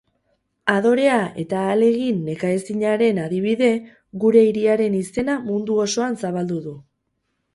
Adorea eta ahalegin nekaezinaren adibide, gure hiriaren izena mundo osoan zabaldu du.